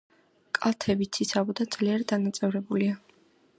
კალთები ციცაბო და ძლიერ დანაწევრებულია.